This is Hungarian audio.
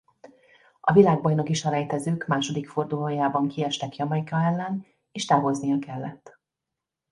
A világbajnoki-selejtezők második fordulójában kiestek Jamaica ellen és távoznia kellett.